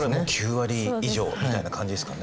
９割以上みたいな感じですかね。